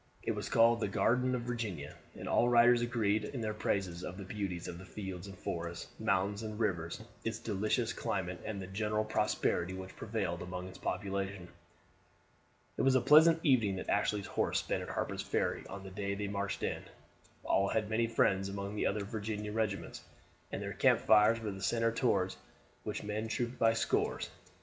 It was called the Garden of Virginia; and all writers agreed in their praises of the beauties of its fields and forests, mountains and rivers, its delicious climate, and the general prosperity which prevailed among its population. It was a pleasant evening that Ashley's horse spent at Harper's Ferry on the day they marched in. All had many friends among the other Virginian regiments, and their camp fires were the center toward which men trooped by scores.